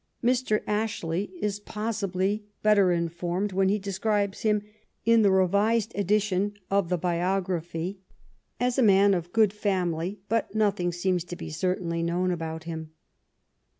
Mr. Ashley is possibly better informed when he describes him, in the revised edition of the biography, as a man of good family; but nothing seems to be certainly known about him.